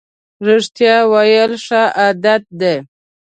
رښتیا ویل ښه عادت دی.